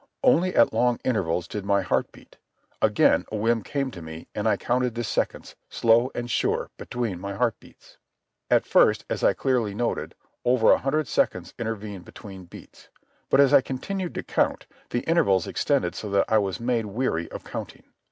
Only at long intervals did my heart beat. Again a whim came to me, and I counted the seconds, slow and sure, between my heart beats. At first, as I clearly noted, over a hundred seconds intervened between beats. But as I continued to count the intervals extended so that I was made weary of counting.